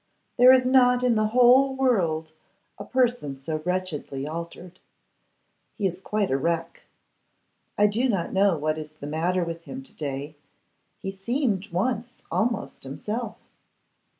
There is not in the whole world a person so wretchedly altered. He is quite a wreck. I do not know what is the matter with him to day. He seemed once almost himself.